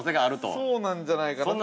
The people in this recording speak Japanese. ◆そうなんじゃないかな。